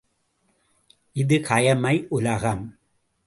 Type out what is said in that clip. இது கயமை உலகம்!